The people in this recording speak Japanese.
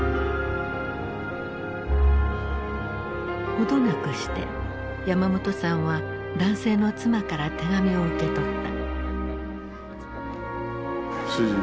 程なくして山本さんは男性の妻から手紙を受け取った。